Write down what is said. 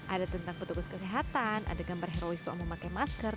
ada tentang petugas kesehatan ada gambar herois soal memakai masker